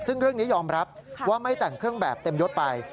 ซึ่งเรื่องนี้ยอมรับว่าไม่แต่งเครื่องแบบเต็มยดไป